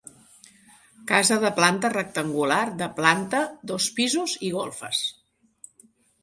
Casa de planta rectangular de planta, dos pisos i golfes.